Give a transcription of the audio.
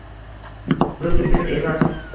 Rus uchun emas